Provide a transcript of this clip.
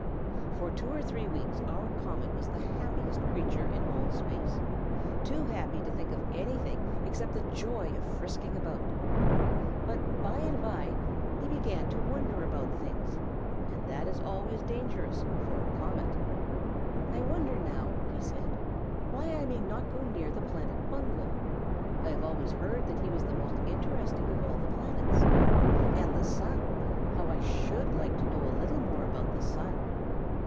For two or three weeks our comet was the happiest creature in all space; too happy to think of anything except the joy of frisking about. But by and by he began to wonder about things, and that is always dangerous for a comet. "I wonder, now," he said, "why I may not go near the planet Bungo. I have always heard that he was the most interesting of all the planets. And the Sun! how I should like to know a little more about the Sun!